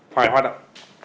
phải hoạt động